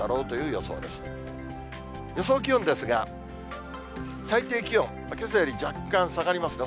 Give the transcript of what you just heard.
予想気温ですが、最低気温、けさより若干下がりますね。